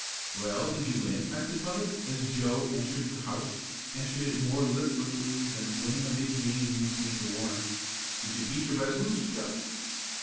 "Well, did you win?" asked his mother, as Joe entered the house entered it more listlessly than winning a big game would seem to warrant. "Did you beat the Resolutes, Joe?"